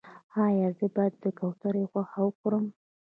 ایا زه باید د کوترې غوښه وخورم؟